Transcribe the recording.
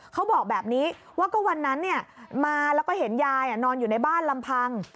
เขาบอกแบบนี้ว่าก็วันนั้นมาแล้วก็เห็นยายนอนอยู่ในบ้านลำพัง